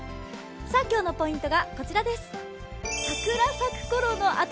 今日のポイントがこちらです。